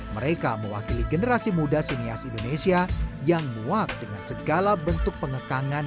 mereka mewakili generasi muda sinias indonesia yang muak dengan segala bentuk pengekangan